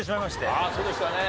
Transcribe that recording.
ああそうでしたね。